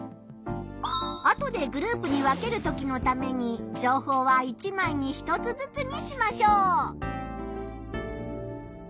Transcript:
後でグループに分けるときのために情報は１枚に１つずつにしましょう。